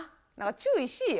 注意しいや。